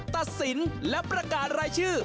ตัดสินและประกาศรายชื่อ